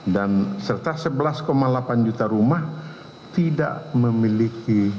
dan serta sebelas delapan juta rumah tidak memiliki